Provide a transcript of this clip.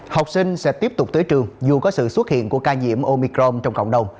học sinh sẽ tiếp tục tới trường dù có sự xuất hiện của ca nhiễm omicrom trong cộng đồng